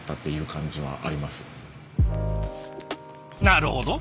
なるほど。